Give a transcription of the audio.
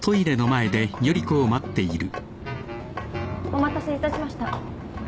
お待たせいたしました。